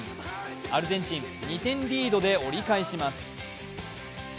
アルゼンチン、２点リードで折り返します。